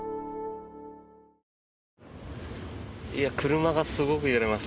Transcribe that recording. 車がすごく揺れます。